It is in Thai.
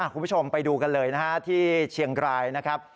คุณผู้ชมไปดูกันเลยนะฮะที่เชียงรายนะครับ